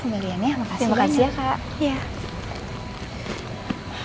terima kasih ya mbak